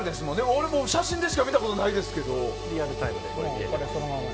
俺もう写真でしか見たことないですけど。